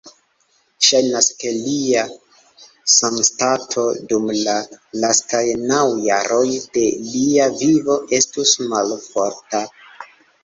Ŝajnas, ke lia sanstato dum la lastaj naŭ jaroj de lia vivo estus malforta.